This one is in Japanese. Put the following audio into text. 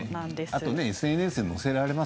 あとＳＮＳに載せられます